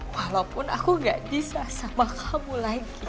walaupun aku gak bisa sama kamu lagi